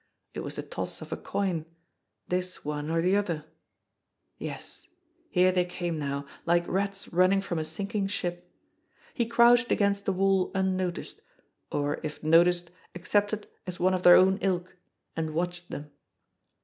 It was the toss of a coin. This one or the other ! Yes here they came now, like rats run ning from a sinking ship. He crouched against the wall un noticed, or if noticed accepted as one of their own ilk, and watched them.